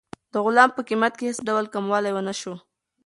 د غلام په قیمت کې هېڅ ډول کموالی ونه شو.